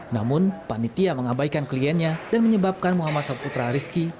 namun panitia mengabaikan kliennya dan menyebabkan muhammad saputra rizki